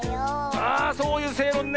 あそういうせいろんね。